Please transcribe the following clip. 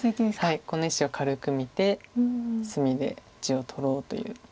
この１子を軽く見て隅で地を取ろうという。